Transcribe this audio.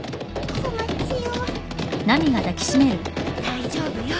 大丈夫よ。